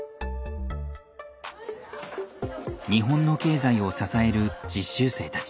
日本の経済を支える実習生たち。